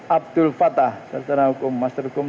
abdul fattah sarjana hukum master hukum